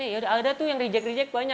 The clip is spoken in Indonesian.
ya udah ada tuh yang reject reject banyak